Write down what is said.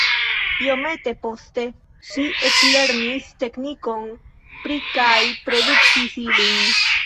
Iomete poste ŝi eklernis teknikon pri kaj produktis ilin.